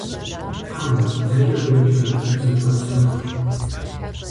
Хьэуэ, зэкӀэ куэдщ ар. Зывгъэпсэху.